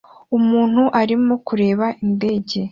Umuntu arimo kureba indege